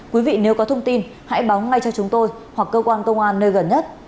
quý vị nếu có thông tin hãy báo ngay cho chúng tôi hoặc cơ quan công an nơi gần nhất